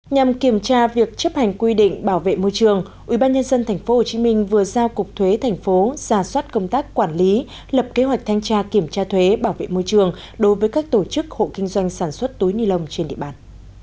nhằm kiểm tra việc chấp hành quy định bảo vệ môi trường ubnd tp hcm vừa giao cục thuế thành phố ra soát công tác quản lý lập kế hoạch thanh tra kiểm tra thuế bảo vệ môi trường đối với các tổ chức hộ kinh doanh sản xuất túi ni lông trên địa bàn